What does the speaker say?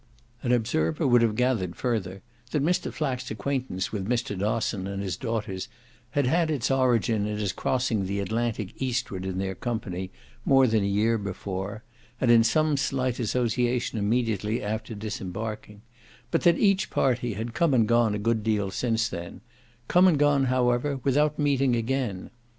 An observer would have gathered, further, that Mr. Flack's acquaintance with Mr. Dosson and his daughters had had its origin in his crossing the Atlantic eastward in their company more than a year before, and in some slight association immediately after disembarking, but that each party had come and gone a good deal since then come and gone however without meeting again.